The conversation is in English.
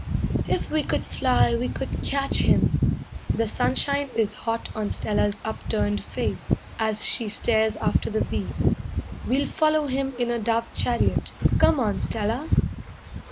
"If we could fly, we could catch him." The sunshine is hot on Stella's upturned face, As she stares after the bee. "We'll follow him in a dove chariot. Come on, Stella."